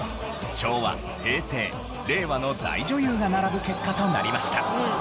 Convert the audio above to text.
昭和・平成・令和の大女優が並ぶ結果となりました。